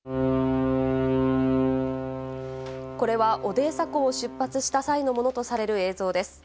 これはオデーサ港を出発した際のものとされる映像です。